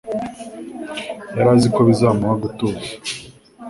yari azi ko bizamuha gutuza